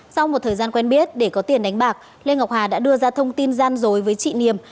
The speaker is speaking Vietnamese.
sau một thời gian quen biết để có tiền đánh bạc lê ngọc hà đã đưa ra thông tin gian dối với chị niềm